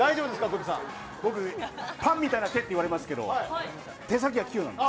僕はパンみたいな手って言われますが手先が器用なんです。